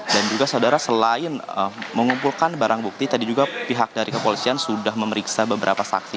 dan juga saudara selain mengumpulkan barang bukti tadi juga pihak dari kepolisian sudah memeriksa beberapa saksi